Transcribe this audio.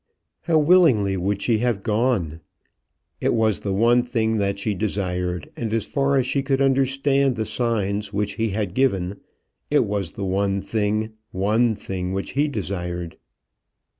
How willingly would she have gone! It was the one thing that she desired; and, as far as she could understand the signs which he had given, it was the one, one thing which he desired.